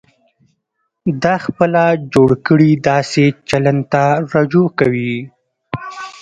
دا خپله جوړ کړي داسې چلند ته رجوع کوي.